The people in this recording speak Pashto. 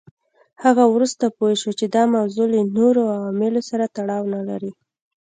هغه وروسته پوه شو چې دا موضوع له نورو عواملو سره تړاو نه لري.